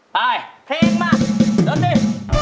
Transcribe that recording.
ไปเพลงมารถหนี